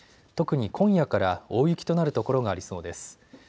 特に今夜から大雪となる所がありそうです。